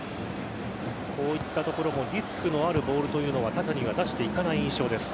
こういった所もリスクのあるボールというのはただには出していかない印象です